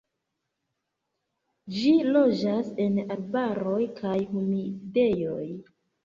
Ĝi loĝas en arbaroj kaj humidejoj.